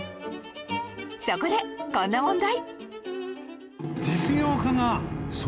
そこでこんな問題